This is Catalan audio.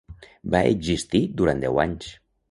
Va existir durant deu anys.